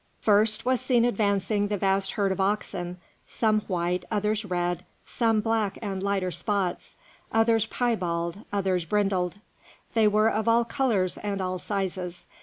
First was seen advancing the vast herd of oxen, some white, others red, some black with lighter spots, others piebald, others brindled. They were of all colours and all sizes.